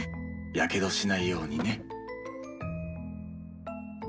やけどしないようにね。